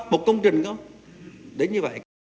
một công trình không